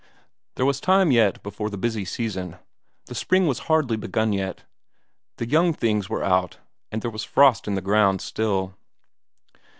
There was time yet before the busy season; the spring was hardly begun yet; the young things were out, but there was frost in the ground still.